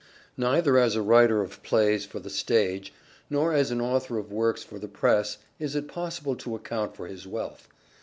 Neither as a writer of plays for the stage nor as an author of works for the press is it possible to account for his wealth.